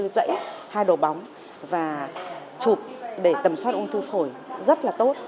tám mươi bốn dãy hai đồ bóng và chụp để tầm soát ung thư phổi rất là tốt